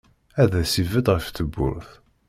Ar d as-ibedd ɣef tewwurt.